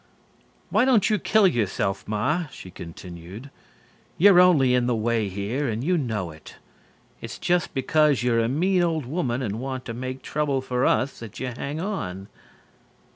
"Why don't you kill yourself, Ma?" she continued. "You're only in the way here and you know it. It's just because you're a mean old woman and want to make trouble for us that you hang on."